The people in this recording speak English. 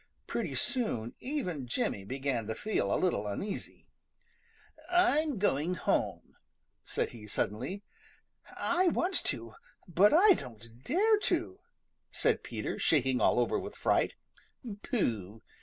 Pretty soon even Jimmy began to feel a little uneasy. "I'm going home," said he suddenly. "I want to, but I don't dare to," said Peter, shaking all over with fright. "Pooh!